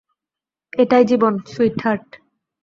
এটাই জীবন, সুইটহার্ট।